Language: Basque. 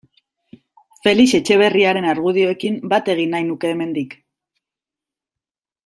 Felix Etxeberriaren argudioekin bat egin nahi nuke hemendik.